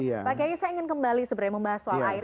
pak kiai saya ingin kembali sebenarnya membahas soal air